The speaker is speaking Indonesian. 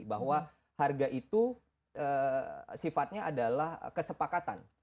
bahwa harga itu sifatnya adalah kesepakatan